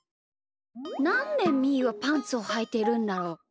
なんでみーはパンツをはいてるんだろう？